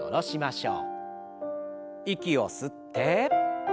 息を吸って。